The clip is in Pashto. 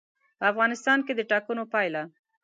په افغانستان کې د ټاکنو پایله.